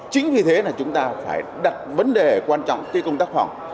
chính vì thế là chúng ta phải đặt vấn đề quan trọng tới công tác phòng